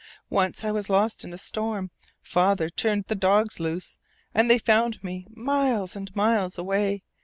Once I was lost in a storm. Father turned the dogs loose. And they found me miles and miles away.